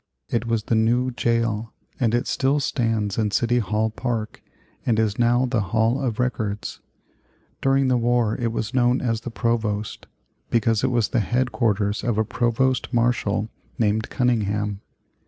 It was the New Jail, and it still stands in City Hall Park and is now the Hall of Records. During the war it was known as The Provost, because it was the head quarters of a provost marshal named Cunningham.